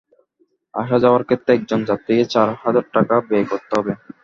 আসা যাওয়ার ক্ষেত্রে একজন যাত্রীকে চার হাজার টাকা ব্যয় করতে হবে।